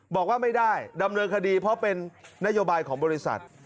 บอกว่าไม่ได้ดำเนินคดีเพราะเป็นนโยบายของบริษัท